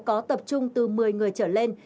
có tập trung từ một mươi người trở lên